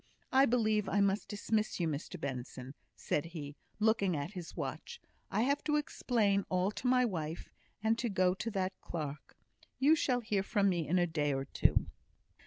I believe I must dismiss you, Mr Benson," said he, looking at his watch; "I have to explain all to my wife, and to go to that clerk. You shall hear from me in a day or two."